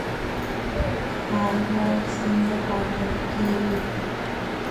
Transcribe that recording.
ښاروال څنګه ټاکل کیږي؟